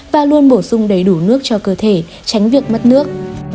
và luôn bổ sung đầy đủ nước cho cơ thể tránh việc mất nước